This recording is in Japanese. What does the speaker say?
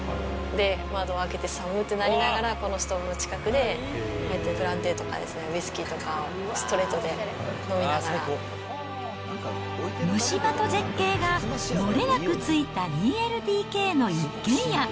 窓を開けてさむってなりながら、このストーブの近くで、こうやってブランデーとか、ウイスキーとかをストレートで飲みな蒸し場と絶景が漏れなく付いた２ＬＤＫの一軒家。